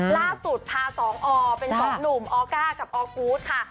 ล่าสุดพาสองอเป็น๒หนุ่มออก้ากับออกูธค่ะ